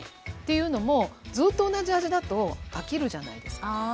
というのもずっと同じ味だと飽きるじゃないですか。